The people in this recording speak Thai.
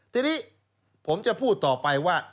ทีนี้ผมจะพูดต่อไปว่า